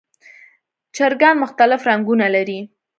چرګان مختلف رنګونه لري.